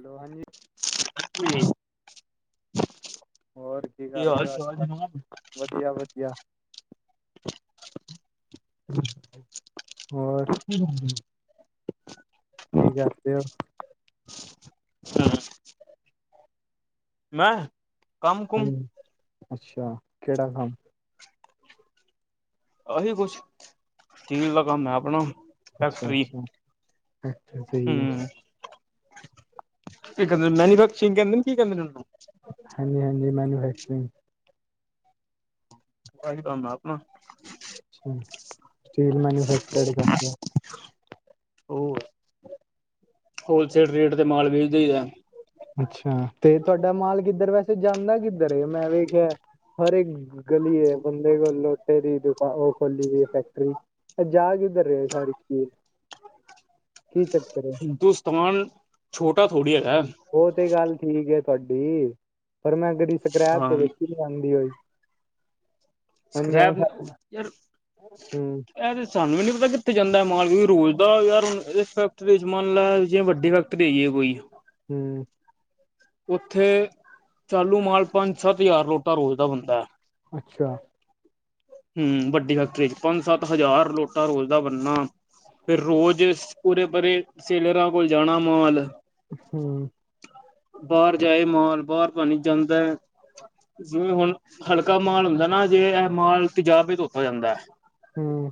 Hello ਹਾਂਜੀ ਹੋਰ ਕੀ ਕਰਦੇ ਹੋ ਅੱਜ ਹਾਲ-ਚਾਲ ਕੱਲ ਜਨਾਬ, ਵਧੀਆ ਵਧੀਆ ਹੋਰ ਹੂੰ, ਕੀ ਕਰਦੇ ਹੋ? ਹੂੰ ਮੈਂ ਕੰਮ ਕੁਮ ਹਾਂਜੀ ਅੱਛਾ ਕਿਹੜਾ ਕੰਮ, ਅਹੀ ਕੁਛ ਸਟੀਲ ਦਾ ਕੰਮ ਹੈ ਆਪਣਾ ਫੈਕਟਰੀ ਅੱਛਾ-ਅੱਛਾ ਐਕਟਰ ਸਹੀ ਹੈ। ਕਹਿੰ ਮੈਨੀਫੈਕਚਰਗ ਕਹਿੰਦੇ ਕੀ ਕਹਿੰਦੇੂ? ਹਾਂਜੀ-ਹਾਂਜੀ ਮੈਨੂਫੈਕਚਰਿੰਗ। ਬਾਈ ਕੰਮ ਆਪਣਾ ਅੱਛਾ ਸਟੀਲ ਮੈਨੂਫੈਕਚਰਡ ਕਰਦੇ ਹੋਰ? ਹੋਲਸੇਲ ਰੇਟ ਤੇ ਮਾਲ ਵੇਜਦਾ ਹੀ ਹੈ। ਅੱਛਾ ਤੇ ਤੁਹਾਡਾ ਮਾਲ ਕਿੱਧਰ ਵੈਸੇ ਜਾਂਦਾ ਕਿੱਧਰ ਮੈਂ ਵੇਖਿਆ ਹਰ ਇੱਕ ਗਲੀਏ ਬੰਦੇ ਕੋਲ ਲੋਟੇ ਦੀ ਦੁਕ ਉਹ ਖੋਲੀ ਗਈ ਫੈਕਟਰੀ ਜਾ ਕਿੱਧਰ ਰਿਹੇ ਹਰੀ ਹਿੰਦੁਸਤਾਨ ਛੋਟਾ ਥੋੜ੍ਹੀ ਹੈਗਾ। ਉਹ ਤੇ ਗੱਲ ਠੀਕ ਹੈ ਤੁਹਾਡੀ ਪਰ ਮੈਂ ਕਦੀ ਸਕ੍ਰੈਪ ਹਾਂ ਤੇ ਵੇਖੀ ਨ ਆਦੀ ਹੋਈ। ਹਾਂਜੀ ਸਕੈਬ ਐਵੇਂ ਯਾਰ ਹੂੰ ਇਹ ਤੇ ਸਾਨੂੰ ਵੀ ਨੀ ਪਤਾ ਕਿ ਜਾਂਦਾ ਰੋਜ਼ ਦਾ ਯਾਰਣ ਇਸ ਫੈਕਟਰੀ ਚ ਮੰਨ ਲੈ ਜੇ ਵੱਡੀ ਫੈਕਟਰੀ ਆ ਕੋਈ, ਹੂੰ, ਉੱਥੇ ਚਾਲੂ ਮਾਲ ਪੰਜ ਸੱਤ ਹਜ਼ਾਰ ਲੋਟਾ ਰੋਜ਼ ਦਾ ਬੰਦਾ ਹੈ। ਅੱਛਾ, ਹੂੰ ਵੱਡੀ ਫੈਕਟਰੀ ਚ ਪੰਜ ਸੱਤ ਹਜ਼ਾਰ ਲੋਟਾ ਰੋਜ਼ ਦਾ ਬਣਨਾ ਫਿਰ ਰੋਜ਼ ਪੂਰੇ ਪਰਰੇ ਸੇਲਰਾਂ ਕੋਲ ਜਾਣਾ ਮਾਲ ਹੂੰ, ਬਾਹਰ ਜਾਏ ਮਾਲ ਬਾਹਰ ਪਾਣੀ ਜਾਂਦਾ ਹੈ ਜਿਵੇਂ ਹੁਣ, ਹਲਕਾ ਮਾਲ ਹੁੰਦਾ ਨਾ ਜੇ ਇਹ ਮਾਲ ਤਜਰਬਾ ਨਾਲ ਧੋਤਾ ਜਾਂਦਾ ਹੈ। ਹੂੰ,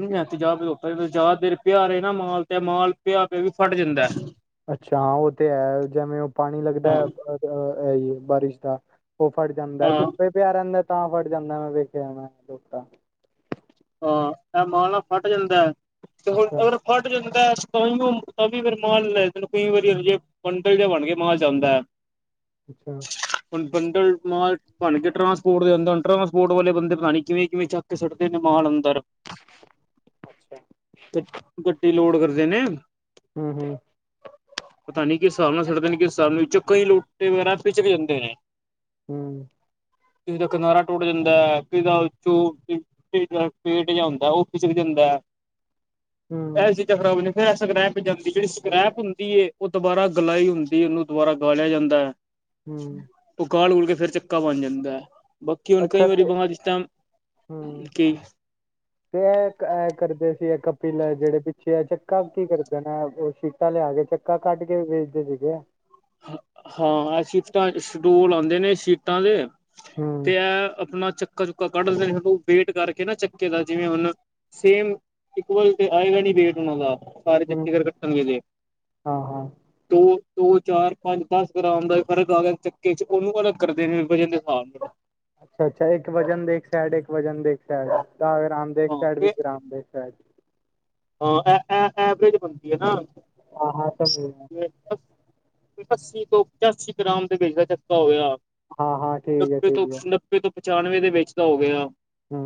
ਨਹੀਂ ਤੇ ਜਾ ਜ਼ਿਆਦਾ ਦੇਰ ਪਿਆ ਰਹੇ ਨਾ ਮਾਲ ਤੇ ਮਾਲ ਪਿਆ ਪਿਆ ਵੀ ਫਟ ਜਾਂਦਾ। ਅੱਛਾ ਹਾਂ ਉਹ ਤੇ ਹੈ ਜਿਵੇਂ ਉਹ ਪਾਣੀ ਲੱਗਦਾ ਹਾਂ ਹੈ ਹੈ ਹੀ ਬਾਰਿਸ਼ ਦਾ ਉਹ ਫਟ ਜਾਂਦਾ ਹਾਂ ਧੁੱਪੇ ਪਿਆ ਰਹਦਾ ਤਾਂ ਫਟ ਜਾਂਦਾ ਮੈਂ ਵੇਖਿਆ ਮੈਂ ਹਾਂ ਇਹ ਮਾਲਾ ਫਟ ਜਾਂਦਾ ਤੇ ਹੁਣ ਅੱਛਾ ਅਗਰ ਫਟ ਜਾਂਦਾ। ਕ ਵਾਰ ਮਾਲ ਲੈ ਕਈ ਵਾਰੀ ਹਜੇ ਬੰਡਲ ਜਿਹਾ ਬਣ ਕੇ ਮਾਲ ਜਾਂਦਾ ਹੈ। ਅੱਛਾ, ਹੁਣ ਬੰਡਲ ਬਣ ਕੇ ਟਰਸਪੋਰਟ ਦੇੰਦਾ ਟਰਾਂਸਪੋਰਟ ਵਾਲੇ ਬੰਦੇ ਪਤਾ ਕਿਵੇਂ ਕਿਵੇਂ ਚੱਕ ਛੱਡਦੇ ਮਾਲ ਅੰਦਰ ਅੱਛਾ ਗੱਡੀ ਲੋੜ ਕਰਦੇ ਨੇ, ਹੂੰ ਹੂੰ ਪਤਾ ਨੀ ਕਿਸ ਹਿਸਾਬ ਨਾਲ ਛੱਡਦੇ ਨੇ ਕਿਸ ਹਿਸਾਬ ਨਾਲ ਵਿੱਚ ਕਈ ਲੋਟੇ ਵਗੈਰਾ ਪਿਚਕ ਜਾਂਦੇ ਨੇ, ਹੂੰ, ਉਹਦਾ ਕਿਨਾਰਾ ਟੁੱਟ ਜਾਂਦਾ ਫੇਰ ਉਹਦਾ ਪੇਟ ਜਿਹਾ ਹੁੰਦਾ ਉਹ ਖਿਸਕ ਜਾਂਦਾ ਇਹ ਹੂੰ ਚੀਜ਼ਾਂ ਖਰਾਬ ਨੀ ਫੇਰ ਸਕਰੈਪ ਜਾਂਦੀ ਜਿਹੜੀ ਸਕ੍ਰੈਪ ਹੁੰਦੀ ਹੈ ਉਹ ਦੁਬਾਰਾ ਗਲਾਈ ਹੁੰਦੀ ਹੈ ਉਹਨੂੰ ਦੁਬਾਰਾ ਗਾਲਿਆ ਜਾਂਦਾ ਹੈ। ਹੂੰ ਔ ਗਾਲ ਗੂਲ ਕੇ ਫੇਰ ਚੱਕਾ ਬਣ ਜਾਂਦਾ ਹੈ। ਬਕੀ ਹੁਣ ਕਈ ਅੱਛਾ ਵਾਰੀ ਤੇ ਬਹਿਸਤਾ ਹੂੰ ਤੇ ਇਹ ਇਹ ਕਰਦੇ ਸੀ ਇਹ ਕਪਿਲ ਜਿਹੜੇ ਪਿੱਛੇ ਆ ਚ ਚੱਕਾ ਕੀ ਕਰ ਦੇਣਾ ਉਹ ਸ਼ੀਟਾਂ ਲਿਆ ਕੇ ਚੱਕਾ ਕੱਢ ਕੇ ਵੇਚਦੇ ਸੀਗੇ। ਹਾਂ ਸੀਟਾਂ ਸਟੂਲ ਆਦੇ ਨੇ ਸ਼ੀਟਾਂ ਦੇ ਹੂੰ ਤੇ ਇਹ ਆਪਣਾ ਚੱਕਾ ਚੁੱਕਾ ਕੱਢ ਲਦੇ ਵੇਟ ਕਰਕੇ ਨਾ ਚੱਕੇ ਦਾ ਜਿਵੇਂ ਹੁਣ ਸੇਮ ਇਕੁਲ ਤੇ ਆਏਗਾ ਨੀ ਵੇਟ ਉਹਨਾਂ ਦਾ ਸਾਰੇ ਹੂੰ ਚੱਕੀਗਰ ਕਟਣ ਗੇ ਐਦੇ ਹਾਂ ਹਾਂ ਚਾਰ ਪੰਜ ਦਸ ਗ੍ਰਾਮ ਦਾ ਫਰਕ ਆ ਗਿਆ ਚੱਕੇ ਚ ਉਹਨੂੰ ਕ ਅਲਗ ਕਰਦੇ ਨੇ ਹਿਸਾਬ ਅੱਛਾ-ਅੱਛਾ ਇੱਕ ਵਜਨ ਦੇਖ ਸਡ ਇੱਕ ਵਜਨ ਦੇਖ ਤਾਂ ਰਾਮਦੇਵ ਹਾਂ ਸਾਈਡ ਵੀ ਤੇ ਰਾਮਦੇਵ ਸਾਈਡ ਹਾਂ ਐਵਰੇਜ ਬਣਦੀ ਹੈ ਨਾ ਹਾਂ-ਹਾਂ ਸਮਝ ਗਿਆ। ਪ ਪੱਸੀ ਤੋਂ ਪਚਾਸੀ ਗ੍ਰਾਮ ਦੇ ਵਿੱਚ ਦਾ ਚੱਕਾ ਹੋਇਆਂ। ਹਾਂ-ਹਾਂ ਠੀਕ ਹੈ ਨੱਬੇ ਠੀਕ ਤੋਂ ਹੈ ਨੱਬੇ ਤੋਂ ਪਚਾਨਵੇਂ ਦੇ ਵਿੱਚ ਤਾਂ ਹੋ ਗਿਆ। ਹੂੰ,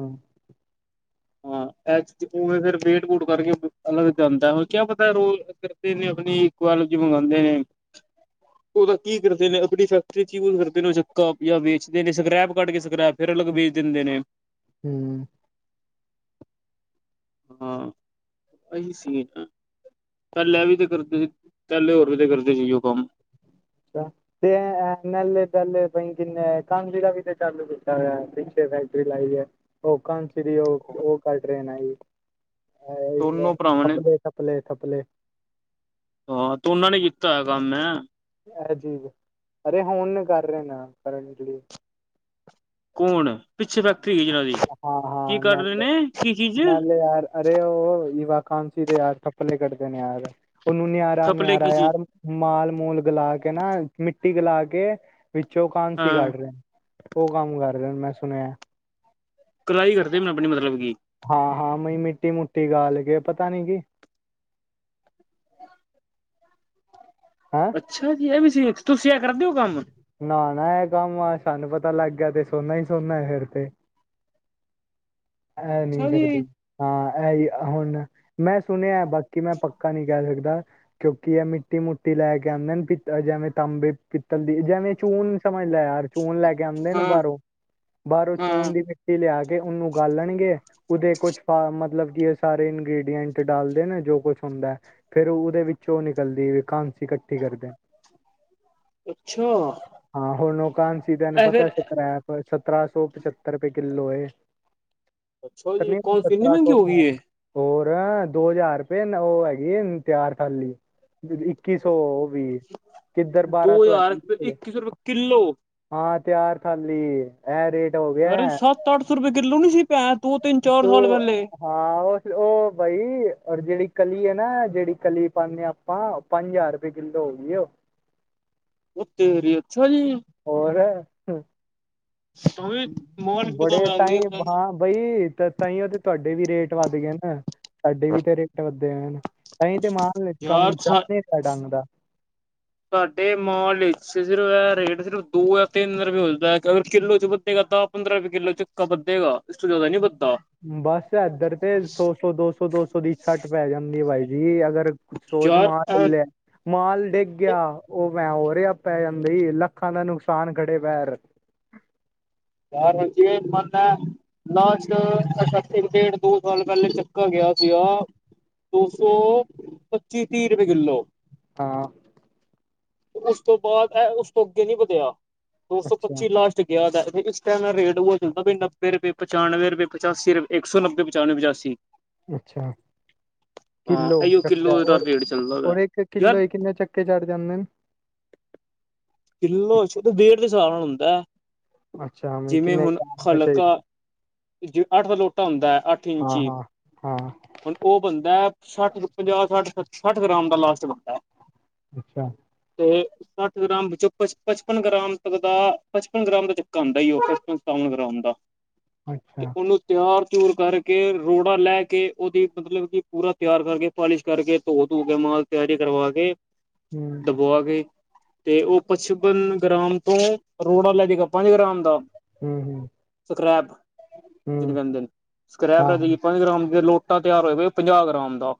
ਹਾਂ ਐਚਪ ਫਿਰ ਵੇ, ਟ ਕਰਕੇ ਅਲੱਗ ਜਾਂਦਾ ਹੈ ਕਿਆ ਪਤਾ ਰੋਲ ਕਰਦੇ ਨੇ ਆਪਣੀਲ ਮੰਗਵਾਦੇ ਨੇ, ਉਹਦਾ ਕੀ ਕਰਦੇ ਨੇ ਆਪਣੀ ਫੈਕਟਰੀ ਚ ਯੂਜ ਕਰਦੇ ਨੇ ਚੱਕਾ ਜਾਂ ਵੇਚਦੇ ਨੇ ਸਕੈਪ ਕੱਢ ਕੇ ਸਕ੍ਰੈਪ ਫੇਰ ਅਲਗ ਬੀਜ ਦਿੰਦੇ ਨੇ ਹੂੰ ਹਾਂ ਆਹੀ ਸੀਨ ਹੈ, ਪਹਿਲ ਵੀ ਤੇ ਕਰਦੇ ਸੀ ਪਹਿਲੇ ਹੋਰ ਵੀ ਤੇ ਕਰਦੇ ਸੀ ਉਹ ਕੰਮ ਤੇ ਨਲ ਦੱਲ ਬਈ ਗੀਨ ਕਾਣ ਗਿੜ ਵੀ ਦੇ ਚਾਲ ਕਿਤਾ ਹੋਇਆ, ਫੈਕਟਰੀ ਲਾਈ ਹੈ ਉਹ ਕਾਂ ਸੀ ਦੀ ਉਹ-ਉਹ ਟਰੇਨ ਆਈ ਦੋਨੋ ਭਰਾਵਾਂ ਨੇ ਥਪਲੇ-ਥਪਲੇ-ਥਪਲੇ ਹਾਂ ਦੋਨਾਂ ਨੇ ਕੀਤਾ। ਹੈ ਕੰਮ ਮੈਂ, ਅਰੇ ਹੁਣ ਕਰ ਰਹੇ ਨਾ ਕਰਾਟਲੀ ਕੌਣ ਪਿੱਛੇ, ਹੈ ਜਿਹਨਾਂ ਦੀ ਕੀ ਹਾਂ-ਹਾਂ ਕਰ ਰਹੇ ਨੇ ਕੀ ਚੀਜ਼ ਨਲ ਯਾਰ ਅਰੇ ਔ ਕਾਂਸੀ ਦੇ ਯਾਰ ਥਪਲੇ ਕੱਢਦੇ ਨੇ ਯਾਰ ਉਹਨੂੰ ਨਿਆਰਾ ਥਪਲੇ ਕੀ ਨਿਆਰਾ ਚੀਜ਼ ਯਾਰ ਮਾਲ ਮੂਲ ਗਲਾ ਕੇ ਨਾ ਮਿੱਟੀ ਗਲਾ ਕੇ ਵਿੱਚੋਂ ਕਾਂਸੀ ਹਾਂ ਕੱਢ ਰਹੇ ਉਹ ਕੰਮ ਕਰ ਰਹੇ ਮੈਂ ਸੁਣਿਆ ਕਲਾਈ ਕਰਦੇ ਮੈ ਆਪਣੀ ਮਤਲਬ ਕਿ ਹਾਂ-ਹਾਂ ਮਿੱਟੀ-ਮੁਟੀ ਨਾਲ ਕੇ ਪਤਾ ਨੀ ਕੀ ਹੈਂ ਅੱਛਾ ਜੀ ਇਹ ਵੀ ਸੀ ਤੁਸੀਂ ਇਹ ਕਰਦੇ ਹੋ ਕੰਮ, ਨਾਹਾਣਾ ਆ ਕੰਮ ਆਾ ਸਾਨੂੰ ਪਤਾ ਲੱਗ ਗਿਆ ਤੇ ਸੋਨਾ ਹੀ ਸੋਨਾ ਫਿਰ ਤੇ, ਇਹ ਨਹੀਂ ਅੱਛਾ ਜੀ ਕਰਦੇ ਹਾਂ ਇਹੀ ਹੁਣ ਮੈਂ ਸੁਣਿਆ ਬਾਕੀ ਮੈਂ ਪੱਕਾ ਨਹੀਂ ਕਹਿ ਸਕਦਾ ਕਿਉਂਕਿ ਇਹ ਮਿੱਟੀ ਮੋਟੀ ਲੈ ਕੇ ਆਦੇ। ਜਿਵੇਂ ਤਾਂਬੇ ਪਿੱਤਲ ਦੀ ਜਿਵੇਂ ਚੂਨ ਸਮਝ ਲੈ ਯਾਰ ਚੂਨ ਲੈ ਕੇ ਆਉਂਦੇ ਨੇ ਹਾਂ ਬਾਹਰੋਂ ਬਾਹਰੋਂ ਹਾਂ ਚੂਨ ਦੀ ਮਿੱਟੀ ਲਿਆ ਕੇ ਉਹਨੂੰ ਗਾਲਣਗੇ ਉਹਦੇ ਕੁਛ ਫਾਰ ਮਤਲਬ ਸਾਰੇ ਇੰਗ੍ਰਡੀਐਂਟ ਡਾਲਦੇ ਨਾ ਜੋ ਕੁਛ ਹੁੰਦਾ ਹੈ ਫੇਰ ਉਹਦੇ ਵਿੱਚ ਉਹ ਨਿਕਲਦੀ ਐ ਇਕੱਠੀ ਕਰਦੇ ਅੱਛਾ ਹਾਂ ਹੋਣ ਉਹ ਕਾਂ ਸੀ ਤੈਨੂੰ ਇਹ ਪਤਾ ਫਿਰ ਸੀ ਕਰਾਆ ਸਤਰਾਂ ਸੌ ਪਚੱਤਰ ਰੁਪਈਆ ਕਿੱਲੋ ਹੈ ਅੱਛਾ ਜੀ ਕੌਣ ਸੀ ਇੰਨੀ ਸਤਰਾਂ ਮਹਿੰਗੀ ਹੋ ਗਈ ਹੈ ਸੌਰ ਦੋ ਹਜ਼ਾਰ ਰੁਪਏ ਉਹ ਹੈਗੀ ਤਿਆਰ ਕਰਨੀ, ਇੱਕੀ ਸੌ ਉਹ ਵੀ ਕਿੱਧਰ ਬਾਰਾਂ ਸੌ ਹੈ ਫੱਲੋ, ਤਿਆਰ ਕਰਲੀ ਐ ਇਹ ਰੇਟ ਹੋ ਰੇ ਗਿਆ ਸੱਤ ਅੱਠ ਸੌ ਰੁਪਏ ਕਿੱਲੋ ਨੀ ਸੀ ਪੈ ਤੂੰ ਹਾਂ ਉਹ ਉਹ ਬਾਈ ਔਰ ਜਿਹੜੀ, ਕਲੀ ਹੈ ਨਾ ਜਿਹੜੀ ਕਲੀ ਪਾਨੇ ਹਾਂ ਆਪਾਂ ਪੰਜ ਹਜ਼ਾਰ ਰੁਪਏ ਕਿੱਲੋ ਹੋਗੀ ਈ ਉਹ ਔ ਤੇਰੀ, ਅੱਛਾ ਜੀ ਹੋਰ? ਤੁਮੀ ਮਾਲ ਕਿਤੋਂ ਬੜੇ ਤਾਂ ਮੰਗਦੀ ਹੀ ਹਾਂ ਬਈ ਤਾਂ, ਤਾਂ ਹੀ ਉਹਦੇ ਤੁਹਾਡੇ ਵੀ ਰੇਟ ਵੱਧ ਗਏ ਨਾ ਸਾਡੇ ਵੀ ਤੇ ਰੇਟ ਵੱਧਦੇ ਹੋਏ। ਅਸੀਂ ਤੇ ਮਹਾ ਕੰਮ ਚੱਲਦੇ ਡੰਗ ਦਾ ਤੁਹਾਡੇ ਮਾਲ ਵਿਚ ਸਿਰਫ ਰੇਟ, ਸਿਰਫ ਦੋ ਜਾਂ ਤਿੰਨ ਰੁਪਏ ਹੁੰਦਾ ਅਗਰ ਕਿੱਲੋ ਚ ਵਧੇਗਾ ਦਸ ਪੰਦਰਾਂ ਰੁਪਏ ਕਿੱਲੋ ਚੱਕਾ ਵਧੇਗਾ ਇਸ ਤੋਂ ਜ਼ਿਆਦਾ ਨੀ ਵੱਧ, ਬਸ ਏਧਰ ਤੇ ਸੋ-ਸੌ-ਦੋ-ਸੋ-ਦੋ-ਸੋ ਦੀ ਛੱਟ ਪੈ ਜਾਂਦੀ ਹੈ ਬਾਈ ਜੀ, ਅਗਰ ਕੁ ਸੋਚ ਮ ਯਾਰ ਲੈ ਮਾਲ ਡਿੱਗ ਗਿਆ ਉਹ ਮੈਂ ਹੋਰ ਪੈ ਜਾਂਦੇ ਸੀ ਲੱਖਾਂ ਦਾ ਨੁਕਸਾਨ ਖੜੇ ਪੈਰ ਯ ਮੰਨ ਹੈ ਨਾਚ ਡੇਢ ਦੋ ਸਾਲ ਪਹਿਲੇ ਚੱਕਾ ਗਿਆ ਸੀਗਾ। ਦੋ ਸੌ ਪੱਚੀ ਤੀਹ ਰੁਪਏ ਕਿੱਲੋ, ਹਾਂ, ਤੇ ਉਸ ਤੋਂ ਬਾਅਦ ਇਹ ਉਸ ਤੋਂ ਅੱਗੇ ਨੀ ਵਧਿਆ ਦੋ ਸੌ ਅੱਛਾ ਪੱਚੀ ਲਾਸਟ ਗਿਆ। ਇਸ ਟਾਈਮ ਮੈਂ ਰੇਟ ਉਹ ਚਦਾ ਵੀ ਨੱਬੇ ਰੁਪਏ ਪਚਾਨਵੇਂ ਰੁਪਏ ਪਚਾਸੀ ਰੁਪਏ ਸੌ ਨੱਬੇ ਪਚਾਨਵੇਂ ਪਚਾਸੀ, ਅੱਛਾ, ਹਾਂ ਕਿੱਲੋ ਇਹੀਓ ਕਿੱਲੋ ਚੱਕਾ ਦਾ ਰੇਟ ਚੱਲਦਾ ਵਾ ਇੱਕ ਯਾਰ ਕਿੱਲੋ ਕਿੰਨੇ ਚੱਕੇ ਚੜ ਜਾਂਦੇ ਨੇ? ਕਿਲੋ ਚ ਡੇਡ ਦੇ ਹਿਸਾਬ ਨਾਲ ਹੁੰਦਾ। ਅੱਛਾ ਮ ਜਿਵੇਂ ਕਿੰਨੇ ਹੁਣ ਗ੍ਰਾਮ ਦਾ ਖਲਕਾ ਚਾਹੀਦਾ । ਜੈ ਅੱਠ ਦਾ ਲੋਟਾ ਹੁੰਦਾ ਹੈ ਅੱਠ ਇੰਚ ਹਾਂ ਹੀ । ਹਾਂ ਹਾਂ ਹੁਣ ਉਹ ਬੰਦਾ ਸੱਠ ਪੰਜਾਹ ਸੱਠ ਸੱਠ ਗ੍ਰਾਮ ਦਾ ਲਾਸਟ ਬੰਦਾ ਹੈ । ਅੱਛਾ । ਸੱਠ ਗ੍ਰਾਮ ਵਿੱਚੋਂ ਪਚਪਨ ਗ੍ਰਾਮ ਤੱਕ ਦਾ ਪਚਪਨ ਗ੍ਰਾਮ ਦਾ । ਘਦਾ ਥੇ ਪੰਤਨ ਗ੍ਰਾਮ ਦਾ ਤੇ ਅੱਛਾ ਉਹਨੂੰ ਤਿਆਰ ਚੂਰ ਕਰਕੇ ਰੋੜਾ ਲੈ ਕੇ ਉਹਦੀ ਮਤਲਬ ਕਿ ਪੂਰਾ ਤਿਆਰ ਕਰਕੇ ਪਾਲਿਸ਼ ਕਰਕੇ ਧੋ ਧੁ ਕੇ ਔਨੁੰ, ਨਾਲ ਤਿਆਰੀ ਕਰਵਾ, ਹੂੰ ਦਬਵਾ ਆ ਕੇ ਤੇ ਉਹ ਪਚਪਨ ਗ੍ਰਾਮ ਤੋਂ, ਰੋੜਾ ਲੈ ਜਗਾ ਪੰਜ ਗ੍ਰਾਮ ਦਾ ਹੂੰ ਹੂੰ ਸਕ੍ਰੈਪ ਹੂੰ ਤਨ ਦਿਨ ਸਕ੍ਰੈਪ ਹਾਂ ਰਗੀ ਹਾਂ ਪੰਜ ਗ੍ਰਾਮ ਲੋਟਾ ਤਿਆਰ ਹੋਇਆ ਪੰਜਾਹ ਗ੍ਰਾਮ ਦਾ,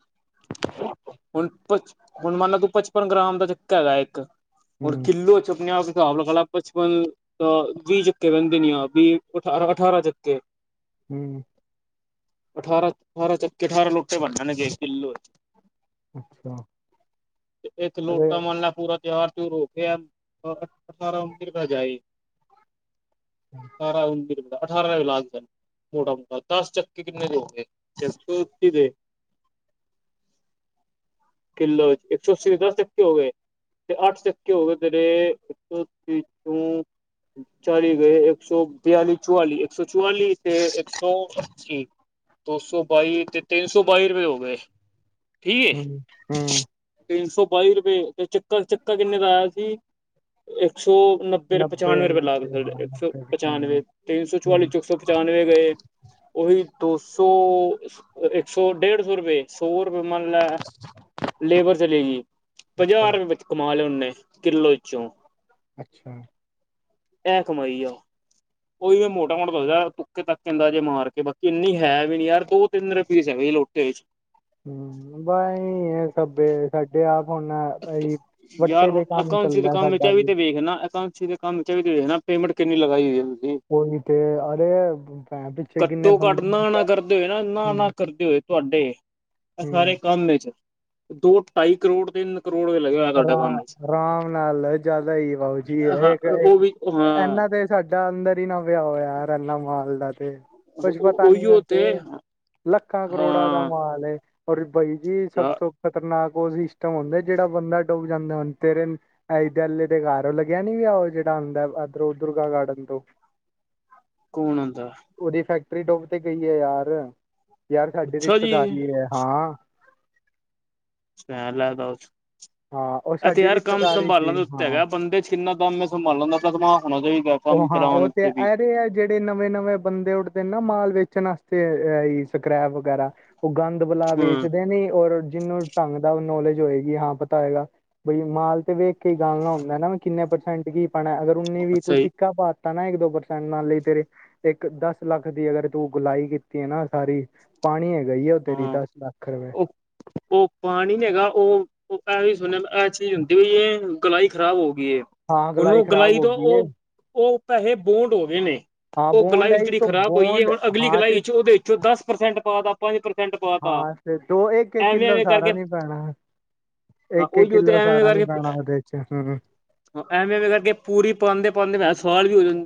ਹੁਣ ਪ ਹੁਣ ਮੰਨਲੇ ਤੂੰ ਪਚਪਨ ਗ੍ਰਾਮ ਦਾ ਚੱਕਾ ਹੈਗਾ ਇੱਕ, ਹੁਣ ਹੂੰ ਕਿਲੋ ਚ ਪੰਜਾਹ ਆਪਲਾ ਕ ਬਚਪਨ ਅ ਵੀਹ ਚੱਕੇ ਬਹਿੰਦੇ ਨ ਆ ਵੀਹ ਅਠਾਰ-ਅਠਾਰਾਂ ਚੱਕੇ, ਹੂੰ, ਅਠਾਰਾਂ-ਅਠਾਰਾਂ ਚ ਅਠਾਰਾਂ ਲੁਟੇ ਬਣ ਜਾ ਨੇਗੇੇ ਕਿੱਲੋ ਚ ਅੱਛਾ ਇੱਕ ਅਰੇ ਲੋਟਾ ਮਨਲਾ ਪੂਰਾ ਤਿਹਾਰ ਰੋਕਿਆ ਸਾਰਾ ਮਿਣਦਾ ਜਾਈ। ਅਠਾਰਾਂ ਔ ਅਠਾਰਾਂ ਵੀ ਲਾਜ ਜਾ ਮੋਟਾ ਮੋਟਾ ਦਸ ਚੱਕੇ ਕਿੰਨੇ ਦੀ ਐ, ਚਤੁਥ ਦੇ, ਕਿੱਲੋ ਇੱਕ ਸੌ ਅੱਸੀ ਦਸ ਤੱਕੇ ਹੋ ਗਏ। ਤੇ ਅੱਠ ਚਕੇ ਹੋ ਗਏ ਤੇਰੇ ਇੱਕ ਸੌਤੀ, ਚਲੀ ਗਏ ਇੱਕ ਸੌ ਬਿਆਲੀ ਚੁਵਲੀ ਇੱਕ ਸੌ ਚੁਆਲੀ ਤੇ ਇੱਕ ਸੌ ਅੱਸੀ, ਦੋ ਸੌ ਬਾਈ ਤੇ ਤਿੰਨ ਸੌ ਬਾਈ ਰੁਪਏ ਹੋ ਗਏ। ਠੀਕ ਏ ਹਮ ਹਮ । ਤਿੰਨ ਸੌ ਬਾਈ ਰੁਪਏ ਤੇ ਚੱਕਰ । ਚੱਕਰ ਕਿੰਨੇ ਦਾ ਆਇਆ ਸੀ? ਇੱਕ ਇੱਕ ਸੌ ਨੱਬੇ ਪਚਾਨਵੇਂ ਰੁਪਏ ਲਾ ਨੱਬੇ । ਹਾਂ ਇੱਕ ਸੌ ਨੱਬੇ ਪਚਾਨਵੇਂ ਤਿੰਨ ਸੌ ਚੁਵਾਲੀ ਹੂੰ, । ਸੌ ਪਚਾਨਵੇਂ ਗਏ। ਉਹੀ ਦੋ ਸੌ ਇੱਕ ਸੌ ਡੇਢ ਸੌ ਰੁਪਏ ਸੋ । ਰੇ ਮੰਨ ਲੈ ਲੇਬਰ ਚਲੇਗੀ । ਪੰਜਾਹ ਅੱਛਾ ਰੁਪਏ ਵਿੱਚ ਕਮਾ ਲਿਆ ਨੇ। ਕਿੱਲੋ ਚੋਂ । ਅੱਛਾ । ਇਹ ਕਮਾਈ ਆ ਉਹ । ਉਹੀ ਮੈਂ ਮੋ ਦਾ ਯਾਰ ਤੁੁੱਕੇ ਤੱਕ ਕਦਾ ਜੇ ਮਾਰ ਕੇ । ਬਾਕੀ ਇੰਨੀ ਹੈ ਵੀ ਨੀ ਯਾਰ। ਦੋ ਤਿੰਨ ਰ ਪੀਸ ਹੈਗੀ ਲੋੋਟੇ ਵਿੱਚ ਹਮ ਬਸ ਐਹੀ ਆ ਸਬੇ ਸਾਡੇ ਆਪ । ਹੁਣ ਭਾਈ ਵੱਟੇ ਯਾਰ ਤੇ ਕੰਮ ਚੱਲਦਾ ਸਾਡਾ ਵੀ । ਚੀ ਦੇ ਕੰਮ ਚ ਵੀ ਨਾ ਪੇਮੈਂਟ ਕਿੰਨੀ ਲਗਾਈ ਹੋਈ? ਉਹੀ ਤੇ ਅਰੇ ਭੈਣ ਪਿੱਛੇ ਕਿੰਨੇ ਘੱਟੋ ਘੱਟ ਬੰਦੇ ਨਾ ਨਾ ਕਰਦੇ ਹੋਏ ਨਾ ਨਾ ਨਾ ਹੂੰ ਕਰਦੇ ਹੋਏ । ਤੁਹਾਡੇ ਐ ਹੂੰ ਸਾਰੇ ਕੰਮ ਵਿੱਚ ਦੋ ਢਾਈ ਕਰੋੜ ਦੇ । ਰਾਮ ਅਰਾਮ ਨਾਲ ਜ਼ਿਆਦਾ ਹੀ ਵਾਊ ਜੀ ਹੈ ਹਾਂ । ਉਹ ਵੀ ਏਕੁ ਹਾਂ ਇਨਾਂ ਤੇ ਸਾਡਾ ਅੰਦਰ ਹੀ ਨਾ ਵਿਆ ਹੋਇਆ ਰਨਾ ਮਾਲ ਦਾ । ਕੁਝ ਪਤਾ ਨੀ ਉਹੀਓ ਵੈਸੇ ਤੇ ਲ। ਲੱਖਾਂ ਕਰੋੜਾਂ ਦਾ ਹਾਂ ਮਾਲ ਐ। ਔਰ ਬਾਈ ਜੀ ਸਭ ਯਾਰ ਤੋਂ ਖਤਰਨਾਕ ਉਹ ਸਿਸਟਮ ਹੁੰਦਾ ਜਿਹੜਾ ਬੰਦਾ । ਡੁੱਬ ਜਾਂਦੇ ਹੁਣ । ਤੇਰੇ ਇਧਲੇ ਦੇ ਘਰ ਲੱਗਿਆ ਨੀ ਵੀ ਉਹ ਜਿਹੜਾ ਆਉਂਦਾ ਉਧਰੋਂ ਦੁਰਗਾ ਗਾਰਡਨ ਤੋਂ । [unintelligible] ਕੌਣ ਹੁੰਦਾ? ਪਰੀ ਟੋਪ ਤੇ ਗਈ ਹੈ ਯਾਰ । ਯਾਰ ਸਾਡੀ ਅੱਛਾ ਜੀ ਰਿਸ਼ਤੇਦਾਰੀ ਹੈ ਹਾਂ। [inaudible] ਇਹ ਹਾਂ ਉਹ ਤਾਂ ਸਾਡੀ ਯਾਰ ਕੰਮ ਰਿਸ਼ਤੇਦਾਰੀ ਸੰਭਾਲਣ ਸੀ ਦੇ ਉੱਤੇ ਹਾਂ ਹੈਗਾ । ਬੰਦੇ ਚ ਕਿੰਨਾ ਦਮ ਹੈ ਸੰਭਾਲਣ ਦਾ ਦਮ ਹੋਣਾ ਚਾਹੀਦਾ । ਉਹ ਹਾਂ ਉਹ ਤੇ ਇਹ ਰਹੇ ਆ । ਜਿਹੜੇ ਨਵੇਂ ਨਵੇਂ ਬੰਦੇ ਉੱਠਦੇ ਨਾ ਮਾਲ ਵਿੱਚ । ਕ੍ਰਿਪਟ ਵਾਸਤੇ ਸਕ੍ਰੈਪ ਵਗੈਰਾ ਉਹ ਗੰਦ ਬਲਾ ਹੂੰ ਵੇਚਦੇ ਨੇ ਔਰ । ਜਿਹਨੂੰ ਢੰਗ ਨਾਲ ਨੌਲੇਜ ਹੋਏਗੀ । ਹਾਂ ਪਤਾ ਹੋਏਗਾ ਬਈ ਮਾਲ ਤੇ ਵੇਖ । ਗਾਲਣਾ ਹੁੰਦਾ ਨਾ ਕਿੰਨੇ ਪਰਸੈਂਟ ਕੀ ਪਾਣਾ ਅਗਰ ਉਨੀ ਵੀ ਤੂੰ ਸਹੀ ਸਿੱਕਾ ਪਾ ਤਾਂ ਨਾ ਇੱਕ ਦੋ ਪਰਸੈਂਟ ਨਾਲ ਤੇਰੇ ਇੱਕ ਦਸ ਲੱਖ ਦੀ ਅਗਰ ਤੂੰ ਗੁਲਾਈ ਕੀਤੀ ਹੈ ਨਾ ਸਾਰੀ ਪਾਣੀ ਹੈ ਗਈ ਆ ਉਹ ਤੇਰੀ ਦਸ ਲੱਖ । ਉਹ ਉਹ ਪਾਣੀ ਨ ਹੈਗਾ ਉਹ । ਉਹ ਐ ਵੀ ਸੁਣਿਆ ਐ। ਚੀਜ਼ ਹੁੰਦੀ ਇਹ ਗਲਾਈ ਖਰਾਬ ਹੋ । ਹਾਂ ਉਹਨੂੰ ਖ਼ਰਾਬ ਗਲਾਈ ਹੋ ਤੋਂ ਗਈ ਹੈ ਉਹ ਉਹ ਪੈਸੇ ਬੋਂਡ ਹੋ ਗਏ ਨੇ । ਹਾਂ ਉਹ ਬੋਂਡ ਗਲਾਈ ਆਈ ਜਿਹੜੀ ਤੋਂ ਖਰਾਬ ਹੋਈ ਹੈ । ਬੋਂਡ ਹੁਣ ਅਗਲੀ ਹਾਂ ਤੇ ਗਲਾਈ ਚ ਉਹਦੇ ਵਿੱਚੋਂ ਦਸ ਪ੍ਰਸੈਂਟ ਪਾ ਤਾਂ ਪੰਜ ਪ੍ਰਸੈਂਟ ਪਾ ਤਾਂ । ਹਾਂ ਤੇ ਦੋ ਇੱਕ । ਇੱਕ ਕਿੱਲੋ ਸਾਰਾ ਨੀ ਪੈਣਾ । ਹਾਂ ਇੱਕ ਇੱਕ ਉਹੀਓ ਤੇ ਕਿੱਲੋ ਐਵੇਂ ਸਾਰਾ ਨੀ ਕਰਕੇ ਪੈਣਾ ਉਹਦੇ ਚ ਹਮ । ਐਵੇਂ ਵੀ ਕਰਕੇ ਪੂਰੀ ਪਾਉਂਦੇ ਪਾਉਂਦੇ ਮੈ ਸਵਾਲ ਵੀ ਹੋ ਜਾਂਦਾ ।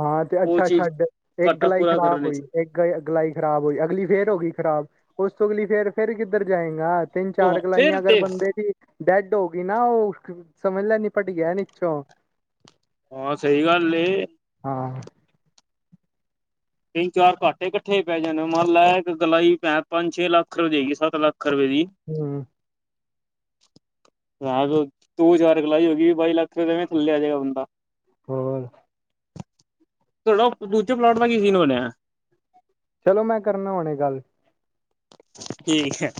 ਹਾਂ ਤੇ ਅੱਛਾ ਛੱਡ ।ਇੱਕ ਘਾਟਾ ਗਲਾਈ ਪੂਰਾ ਕਰਨ ਖ਼ਰਾਬ ਵਿੱਚ ਹੋਈ। ਇੱਕ ਗਲਾਈ ਖ਼ਰਾਬ ਹੋਈ ।ਅਗਲੀ ਫੇਰ ਹੋ ਗਈ ਖਰਾਬ । ਉਸ ਤੋਂ ਅਗਲੀ ਫੇਰ । ਫਿਰ ਕਿੱਧਰ ਜਾਏਗਾ ਤਿੰਨ ਉਹ ਚਾਰ ਕਲਾਈਆਂ ਫਿਰ ਅਗਰ ਤੇ ਬੰਦੇ ਸੀ । ਡੈਡ ਹੋ ਗਈ ਨਾ । ਉਹ ਸਮਝ ਲੈਂਦੀ ਭਟ ਗਿਆ ਨੀਛੋਂ । ਹਾਂ ਸਹੀ ਗੱਲ ਏ। ਹਾਂ । ਹਾਂ। ਤਿੰਨ ਚਾਰ ਘਾਟੇ ਇਕੱਠੇ ਪੈ ਜਾਣੇ । ਮੰਨ ਲੈ ਇੱਕ ਗੋਲਾਈ ਹੀ ਪੰਜ ਛੇ ਲੱਖ ਰੁਪਏ ਜਾਏਗੀ ਸੱਤ ਲੱਖ । ਲਖ ਰੁਪਏ ਦੀ ਹੂੰ ਦੋ ਚਾਰ ਕਲਾਈ ਹੋ ਗਈ । ਬਾਈ ਲੱਖ ਰੁਪਏ ਮਵੇ ਥੱਲੇ ਆਜੈਗਾ ਬੰਦਾ । ਹੋਰ । ਚਲੋ ਦੂਜੇ ਪਲਾਟ ਦਾ ਕੀ ਸੀਨ ਬਣਿਆ? ਚਲੋ ਮੈਂ ਕਰਨਾ ਹੁਣੇ ਗੱਲ ਠੀਕ ਹੈ